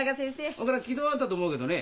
それから昨日会ったと思うけどね